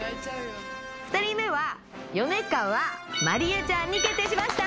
２人目は米川真里絵ちゃんに決定しました！